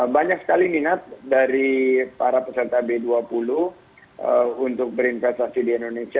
banyak sekali minat dari para peserta b dua puluh untuk berinvestasi di indonesia